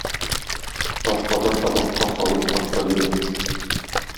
Ташказар табакка салып аш та бирә.